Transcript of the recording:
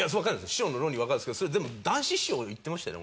師匠の論理わかるんですけどそれでも談志師匠も言ってましたよね